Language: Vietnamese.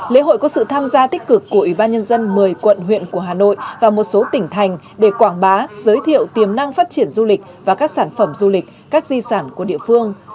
lễ hội có sự tham gia tích cực của ủy ban nhân dân một mươi quận huyện của hà nội và một số tỉnh thành để quảng bá giới thiệu tiềm năng phát triển du lịch và các sản phẩm du lịch các di sản của địa phương